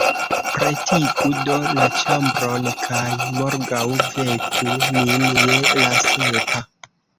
Pretigu do la ĉambron kaj morgaŭ veku min je la sepa.